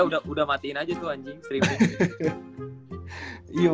quarter tiga udah matiin aja tuh anjing streaming